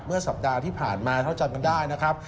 สัปดาห์ที่ผ่านมาเท่าจำกันได้นะครับ